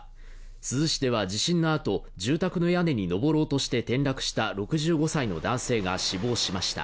珠洲市では地震の後、住宅の屋根に登ろうとして転落した６５歳の男性が死亡しました。